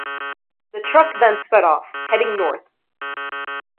The truck then sped off, heading north.